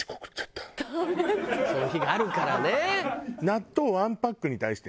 そういう日があるからね。